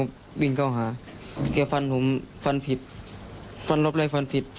ข้อยังบินเข้าหาเขาฟันผิดฟันรอบ้ำไก่ฟันผิด